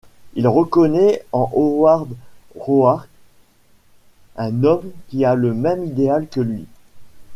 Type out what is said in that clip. Il reconnaît en Howard Roark un homme qui a le même idéal que lui.